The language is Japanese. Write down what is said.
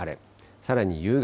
さらに夕方。